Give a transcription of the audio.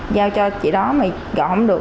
giao cho chị đó mà gọi không được